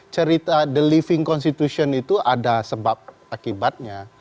cerita the living constitution itu ada sebab akibatnya